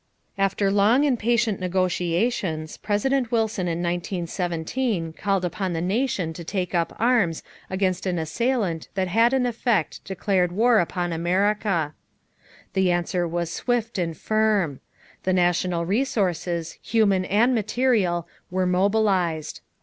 After long and patient negotiations, President Wilson in 1917 called upon the nation to take up arms against an assailant that had in effect declared war upon America. The answer was swift and firm. The national resources, human and material, were mobilized.